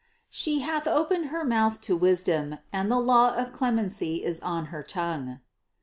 797. "She hath opened her mouth to wisdom, and the law of clemency is on her tongue."